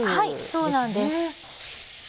そうなんです。